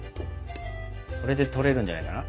これで取れるんじゃないかな。